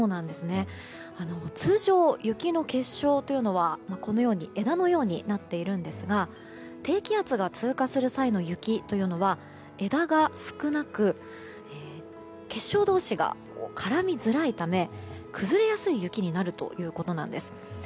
通常、雪の結晶というのは枝のようになっているんですが低気圧が通過する際の雪というのは枝が少なく、結晶同士が絡みづらいため崩れやすい雪になるということなんです。